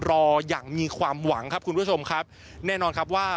รออย่างมีความหวังครับคุณผู้ชมครับแน่นอนครับว่า